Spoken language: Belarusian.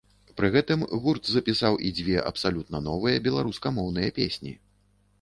Пры гэтым гурт запісаў і дзве абсалютна новыя беларускамоўныя песні.